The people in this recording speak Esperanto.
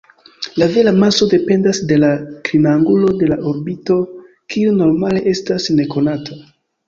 La vera maso dependas de la klinangulo de la orbito, kiu normale estas nekonata.